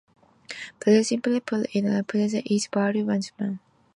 Very simply put, it represents each value as a range of possibilities.